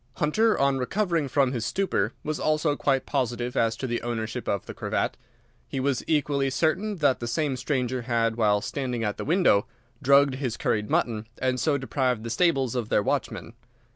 "Hunter, on recovering from his stupor, was also quite positive as to the ownership of the cravat. He was equally certain that the same stranger had, while standing at the window, drugged his curried mutton, and so deprived the stables of their watchman.